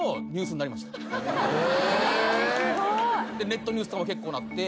ネットニュースとか結構なって。